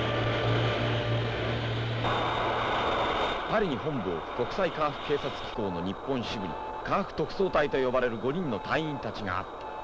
パリに本部を置く国際科学警察機構の日本支部に科学特捜隊と呼ばれる５人の隊員たちがあった。